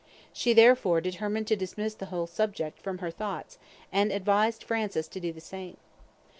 She therefore determined to dismiss the whole subject from her thoughts, and advised Francis to do the same.